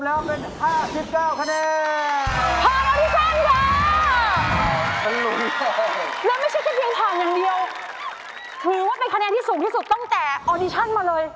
ถือว่าเป็นคะแนนที่สูงที่สุดตั้งแต่ออดิชันมาเลย